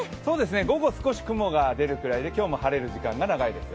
午後は少し雲が出るぐらいで今日も晴れる時間が長いですよ。